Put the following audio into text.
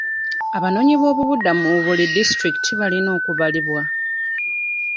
Abanoonyi b'obubuddamu mu buli disitulikiti balina okubalibwa.